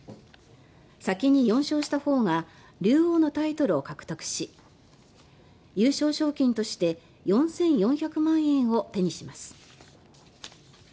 先に４勝したほうが竜王のタイトルを獲得し優勝賞金として４４００万円を手にします。